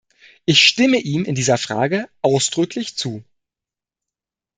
Ich stimme ihm in dieser Frage ausdrücklich zu.